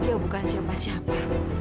dia bukan siapa siapa